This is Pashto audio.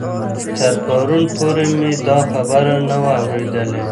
تر پرون پورې مې دا خبر نه و اورېدلی.